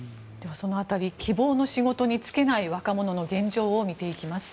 その辺り希望の仕事に就けない若者の現状を見ていきます。